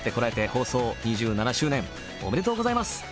放送２７周年おめでとうございます